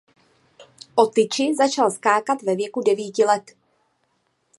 O tyči začal skákat ve věku devíti let.